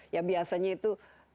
ya biasanya itu